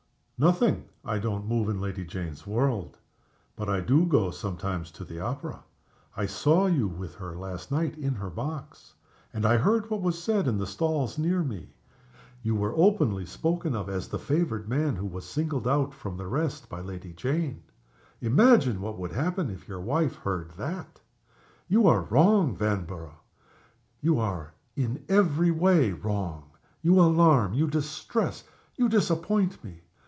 "Nothing. I don't move in Lady Jane's world but I do go sometimes to the opera. I saw you with her last night in her box; and I heard what was said in the stalls near me. You were openly spoken of as the favored man who was singled out from the rest by Lady Jane. Imagine what would happen if your wife heard that! You are wrong, Vanborough you are in every way wrong. You alarm, you distress, you disappoint me.